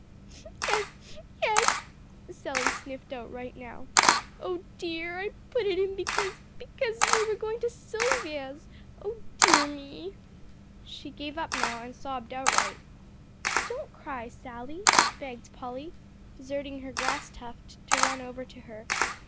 "Yes yes." Sally sniffed outright now. "Oh dear! I put it in because because we were going to Silvia's oh dear me!" She gave up now, and sobbed outright. "Don't cry, Sally," begged Polly, deserting her grass tuft, to run over to her.